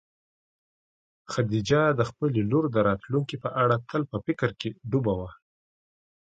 خدیجه د خپلې لور د راتلونکي په اړه تل په فکر کې ډوبه وه.